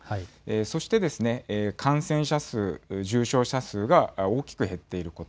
そして、感染者数、重症者数が大きく減っていること。